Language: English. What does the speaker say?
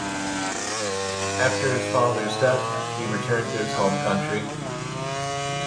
After his father's death he returned to his home country.